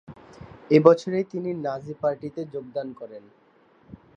এ বছরেই তিনি নাজি পার্টিতে যোগদান করেন।